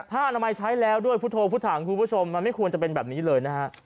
ผ้าอนามัยใช้แล้วด้วยพุทธโทพุทธห่างคุณผู้ชมมันไม่ควรจะเป็นแบบนี้เลยนะครับ